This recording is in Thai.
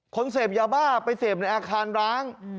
คนเสพยาบ้าไปเสพในอาคารร้าง